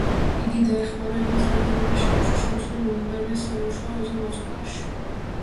იგი დაეხმარა ევას რამდენიმე შოუში შემცვლელ მომღერლის სამუშაოზე მოწყობაში.